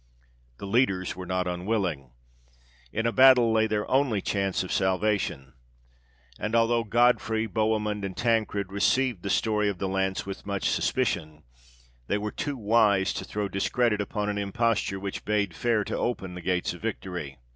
The leaders were not unwilling. In a battle lay their only chance of salvation; and although Godfrey, Bohemund, and Tancred received the story of the lance with much suspicion, they were too wise to throw discredit upon an imposture which bade fair to open the gates of victory.